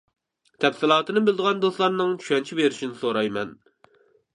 تەپسىلاتىنى بىلىدىغان دوستلارنىڭ چۈشەنچە بېرىشىنى سورايمەن.